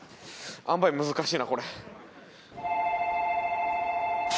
あんばい難しいなこれ。